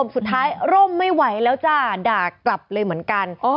สุดท้ายร่มไม่ไหวแล้วจ้าด่ากลับเลยเหมือนกัน